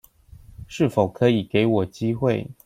是否可以給我機會